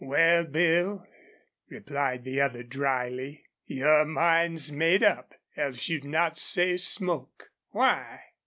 "Wal, Bill," replied the other, dryly, "your mind's made up, else you'd not say smoke." "Why?"